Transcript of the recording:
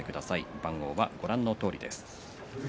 番号はご覧のとおりです。